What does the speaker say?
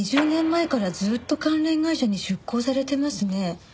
２０年前からずっと関連会社に出向されてますね。